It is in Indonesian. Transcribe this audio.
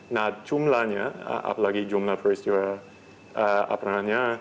nah jumlahnya apalagi jumlah peristiwa